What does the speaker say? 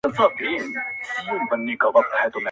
په زړه سخت ظالمه یاره سلامي ولاړه ومه،